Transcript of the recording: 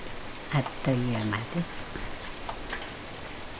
あっという間です。